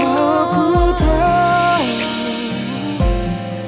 walau ku tahu